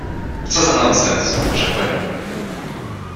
„Co za nonsens!” — rzekłem.